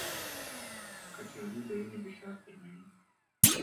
کچالو د وینې فشار کموي.